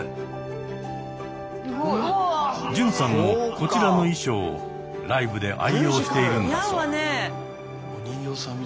純さんもこちらの衣装をライブで愛用しているんだそう。